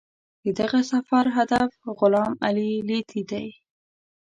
د دغه سفر هدف غلام علي لیتي دی.